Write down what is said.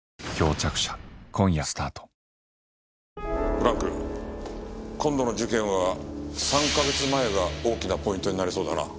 ブランク今度の事件は３カ月前が大きなポイントになりそうだな。